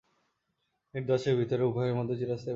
Minute দশেকের ভিতরে উভয়ের মধ্যে চিরস্থায়ী ভাব হইয়া গেল।